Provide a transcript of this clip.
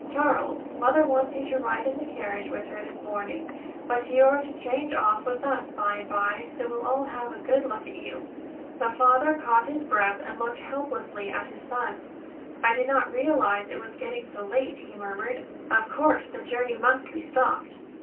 Charles, Mother wants you to ride in the carriage with her this morning; but you are to change off with us by and by, so we'll all have a good look at you." The father caught his breath and looked helplessly at his son. "I did not realize it was getting so late," he murmured. "Of course the journey must be stopped."